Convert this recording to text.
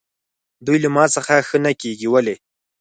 دوی له ما څخه ښه نه کېږي، ولې؟